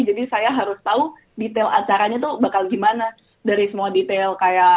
jadi saya harus tahu detail acaranya itu bakal gimana dari semua detail kayak